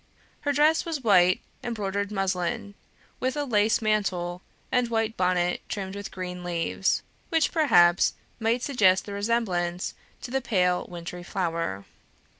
Her dress was white embroidered muslin, with a lace mantle, and white bonnet trimmed with green leaves, which perhaps might suggest the resemblance to the pale wintry flower.